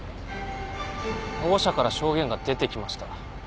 保護者から証言が出てきました。